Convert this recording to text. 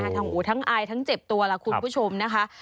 ทั้งอู๋ทั้งอายทั้งเจ็บตัวล่ะคุณผู้ชมนะคะ